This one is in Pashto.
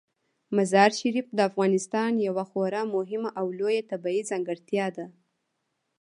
مزارشریف د افغانستان یوه خورا مهمه او لویه طبیعي ځانګړتیا ده.